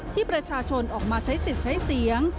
ที่ประชาชนออกมาใช้สิทธิ์ใช้เสียง